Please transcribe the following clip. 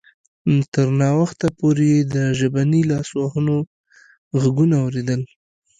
تر ناوخته پورې یې د ژبني لاسوهنو غږونه اوریدل